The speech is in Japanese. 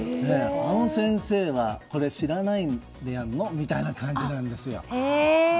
あの先生は、これ知らないの？みたいな感じなんです。